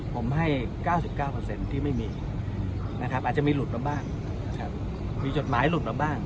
ผมให้๙๙ที่ไม่มีนะครับอาจจะมีหลุดมาบ้างนะครับมีจดหมายหลุดมาบ้าง